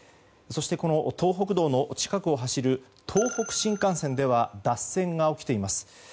そして、この東北道の近くを走る東北新幹線では脱線が起きています。